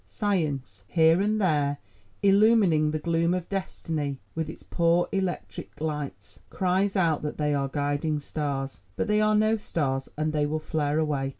Science, here and there illumining the gloom of destiny with its poor electric lights, cries out that they are guiding stars. But they are no stars, and they will flare away.